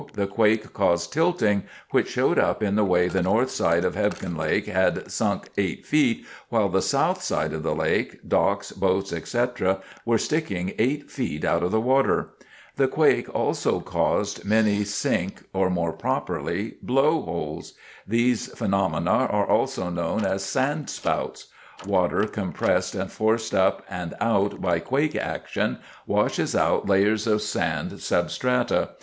The quake caused tilting, which showed up in the way the north side of Hebgen Lake had sunk eight feet, while the south side of the lake, docks, boats, etc., were sticking eight feet out of the water. The quake also caused many sink, or more properly, blow holes. These phenomena are also known as sandspouts. Water, compressed and forced up and out by quake action washes out layers of sand sub strata.